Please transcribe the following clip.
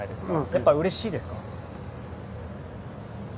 やっぱりうれしいですか？